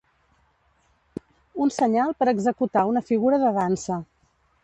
Un senyal per executar una figura de dansa.